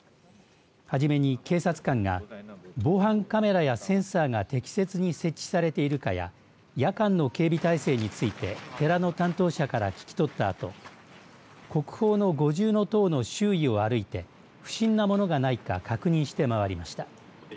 初めに警察官が防犯カメラやセンサーが適切に設置されているかや夜間の警備体制について寺の担当者から聞き取ったあと国宝の五重塔の周囲を歩いて不審なものがないか確認して回りました。